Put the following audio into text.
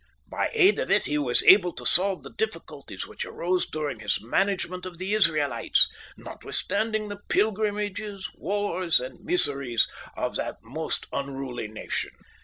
By aid of it he was able to solve the difficulties which arose during his management of the Israelites, notwithstanding the pilgrimages, wars, and miseries of that most unruly nation.